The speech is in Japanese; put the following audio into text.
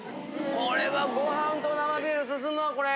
これはご飯と生ビール進むわこれ。